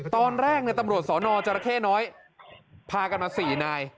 ตอนแรกเนี้ยตำรวจสอนอจรเข้น้อยพากันมาสี่นาย